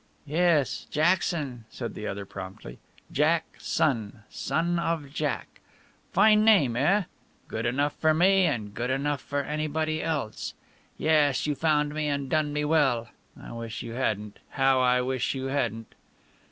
"Yes, Jackson," said the other promptly. "Jack son, son of Jack. Fine name, eh good enough for me and good enough for anybody else. Yes, you found me and done me well. I wish you hadn't. How I wish you hadn't."